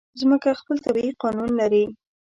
مځکه خپل طبیعي قانون لري.